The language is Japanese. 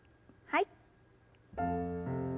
はい。